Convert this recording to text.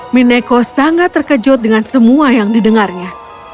mineko sangat terkejut dengan semua yang didengarnya